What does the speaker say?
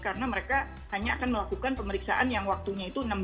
karena mereka hanya akan melakukan pemeriksaan yang waktunya itu enam jam